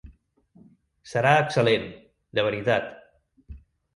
Serà excel·lent, de veritat.